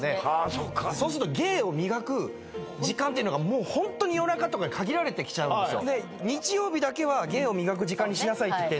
そっかそうすると芸を磨く時間ってのがホントに夜中とか限られてきちゃうんですよ